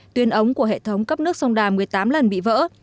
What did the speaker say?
tuyên ống của hệ thống cấp nước sông đà một mươi tám lần bị vỡ